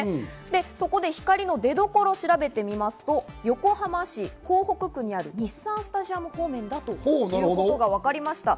そこで光の出どころを調べてみますと、横浜市港北区にある日産スタジアム方面だということがわかりました。